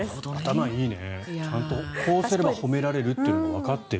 ちゃんとこうすれば褒められるというのがわかってる。